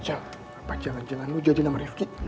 apa jalan jalan lu jadi sama srivkih